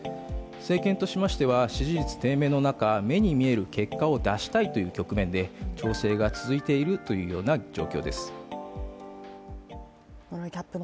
政権としましては、支持率低迷の中目に見える結果を出したいという中で調整が続いているというような状況です。